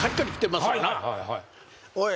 「おい」